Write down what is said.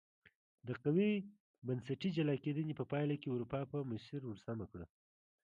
د قوي بنسټي جلا کېدنې په پایله کې اروپا په مسیر ور سمه کړه.